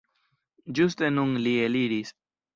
Ĝuste nun li eliris.